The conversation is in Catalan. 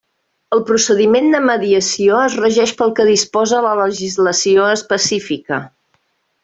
El procediment de mediació es regeix pel que disposa la legislació específica.